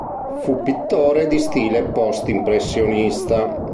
Fu pittore di stile post-impressionista.